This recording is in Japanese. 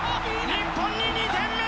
日本に２点目！